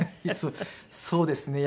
そうですね。